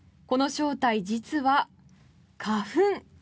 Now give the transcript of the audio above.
この正体、実は花粉。